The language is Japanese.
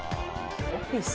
オフィス？